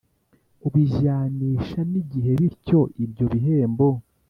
Ubijyanisha n igihe bityo ibyo bihembo